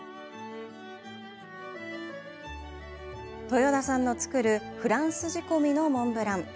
樋田さんの作るフランス仕込みのモンブラン。